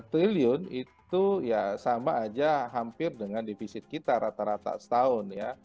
triliun itu ya sama aja hampir dengan defisit kita rata rata setahun ya